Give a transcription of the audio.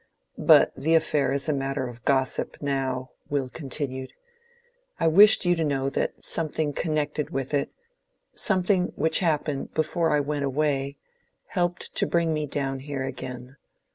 "But the affair is matter of gossip now," Will continued. "I wished you to know that something connected with it—something which happened before I went away, helped to bring me down here again.